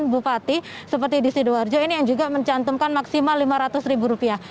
bupati seperti di sidoarjo ini yang juga mencantumkan maksimal lima ratus ribu rupiah